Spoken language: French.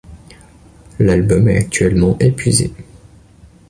L'album est actuellement épuisé.